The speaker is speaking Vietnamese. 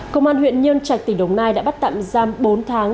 công an huyện nhân trạch tỉnh đồng nai đã bắt tạm giam bốn tháng